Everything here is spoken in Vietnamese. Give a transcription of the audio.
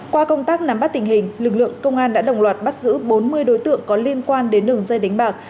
qua công tác nắm bắt tình hình lực lượng công an đã đồng loạt bắt giữ bốn mươi đối tượng có liên quan đến đường dây đánh bạc